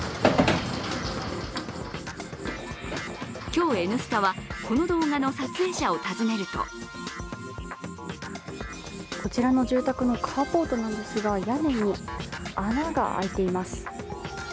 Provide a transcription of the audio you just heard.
今日「Ｎスタ」はこの動画の撮影者を訪ねるとこちらの住宅のカーポートなんですが屋根に穴が開いています。